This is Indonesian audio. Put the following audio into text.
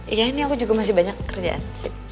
iya ini aku juga masih banyak kerjaan sih